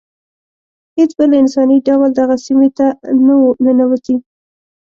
هیڅ بل انساني ډول دغه سیمې ته نه و ننوتی.